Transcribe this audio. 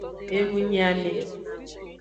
Enunyiame.